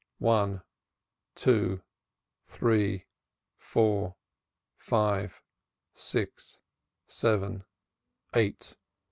One two three four five six seven eight.